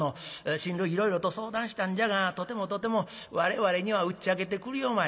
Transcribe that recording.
親類いろいろと相談したんじゃがとてもとても我々には打ち明けてくりょうまい。